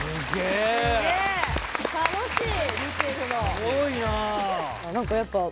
すごいなあ。